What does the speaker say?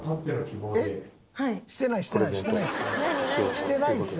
してないですよ。